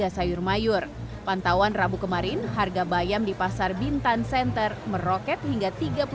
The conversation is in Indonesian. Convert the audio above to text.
sayur mayur pantauan rabu kemarin harga bayam di pasar bintan center meroket hingga